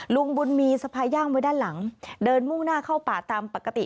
ลุงบุญมีสะพายย่างไว้ด้านหลังเดินมุ่งหน้าเข้าป่าตามปกติ